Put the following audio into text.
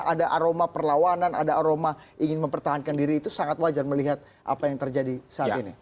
ada aroma perlawanan ada aroma ingin mempertahankan diri itu sangat wajar melihat apa yang terjadi saat ini